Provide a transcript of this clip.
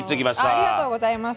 ありがとうございます。